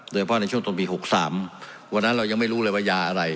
โดยเฉพาะในช่วงต้นปี๖๓วันนั้นเรายังไม่รู้เลยว่ายาอะไร